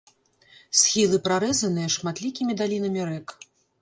Схілы парэзаныя шматлікімі далінамі рэк.